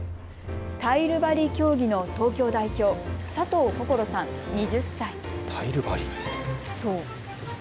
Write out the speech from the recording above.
タイル張り競技の東京代表、佐藤心さん、２０歳。